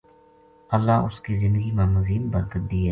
اللہ اس کی زندگی ما مزید برکت دیے